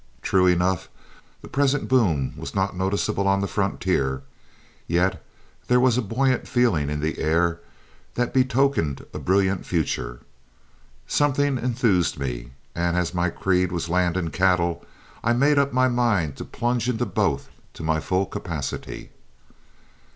True enough, the present boom was not noticeable on the frontier, yet there was a buoyant feeling in the air that betokened a brilliant future. Something enthused me, and as my creed was land and cattle, I made up my mind to plunge into both to my full capacity.